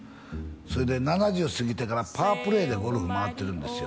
それで７０過ぎてからパープレーでゴルフ回ってるんですよ